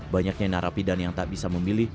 banyaknya narapidan yang tak bisa memilih